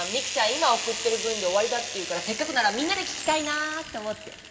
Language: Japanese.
今送ってる分で終わりだって言うからせっかくならみんなで聴きたいなと思って。